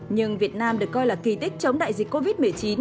nhưng việt nam được coi là kỳ tích chống đại dịch covid một mươi chín